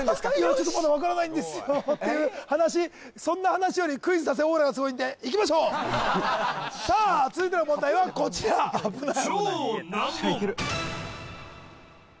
ちょっとまだ分からないんですよっていう話そんな話よりクイズ出せオーラがすごいんでいきましょうさあ続いての問題はこちら危ない危ないしゃあいける！